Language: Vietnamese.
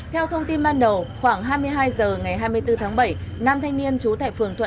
theo thông tin ban đầu khoảng hai mươi hai h ngày hai mươi bốn tháng bảy nam thanh niên trú tại phường thuận